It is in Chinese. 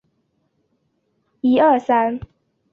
晚清曾国藩领导的湘军重要将领江忠源是新宁金石镇人。